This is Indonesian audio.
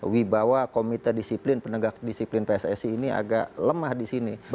wibawa komite disiplin penegak disiplin pssi ini agak lemah di sini